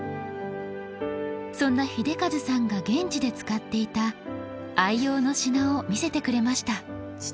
そんな英一さんが現地で使っていた愛用の品を見せてくれました。